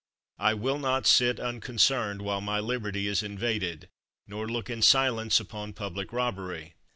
I will not sit unconcerned while my liberty is invaded, nor look in silence upon public robbery.